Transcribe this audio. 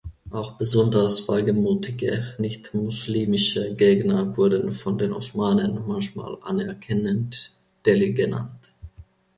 Auch besonders wagemutige, nicht muslimische Gegner wurden von den Osmanen manchmal anerkennend "Deli" genannt.